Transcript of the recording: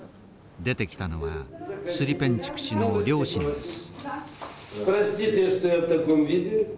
出てきたのはスリペンチュク氏の両親です。